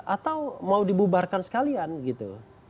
atau mau dibubarkan sekalian gitu